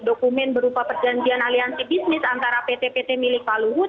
dokumen berupa perjanjian aliansi bisnis antara pt pt milik pak luhut